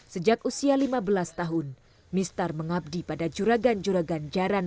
sejak usia lima belas tahun mister mengabdi pada juraganiknya